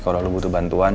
kalau lo butuh bantuan